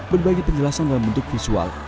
berbagai penjelasan dalam bentuk visual